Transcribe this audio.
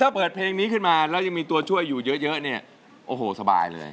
ถ้าเปิดเรื่องนี้ขึ้นมาแล้วยังมีตัวช่วยอยู่เยอะโฮโฮสบายเลย